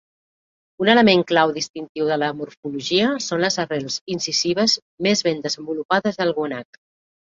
Un element clau distintiu de la morfologia són les arrels incisives més ben desenvolupades del guanac.